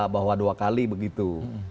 bahwa dua kali begitu